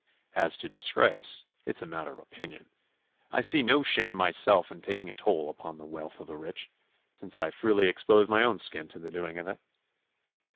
As to disgrace, it is a matter of opinion. I see no shame myself in taking a toll upon the wealth of the rich, since I freely expose my own skin in the doing of it.